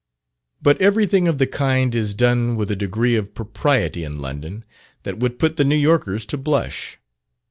But every thing of the kind is done with a degree of propriety in London, that would put the New Yorkers to blush.